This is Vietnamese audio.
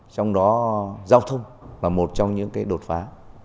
trong đó giao thông là một trong những cái đột phá